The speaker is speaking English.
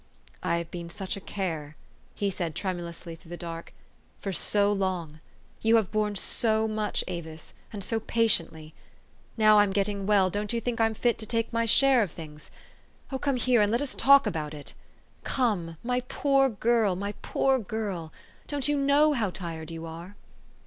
" I have been such a care," he said tremulously through the dark, " for so long ! You have borne so much, Avis, and so patiently ! Now I'm getting well, don't you think I'm fit to take my share of things? Oh, come here, and let us talk about it! 424 THE STORY OF AVIS. Come, my poor girl, poor girl ! Don't you "know how tired you are?"